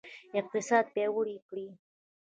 اقتصاد پیاوړی کړئ